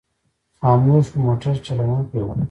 خاموش مو موټر چلوونکی و.